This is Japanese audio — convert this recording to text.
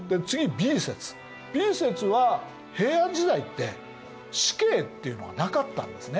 Ｂ説は平安時代って死刑っていうのがなかったんですね。